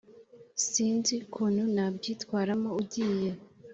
sinzi ukuntu nabyitwaramo ugiye.